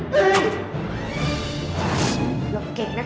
เจ้าพี่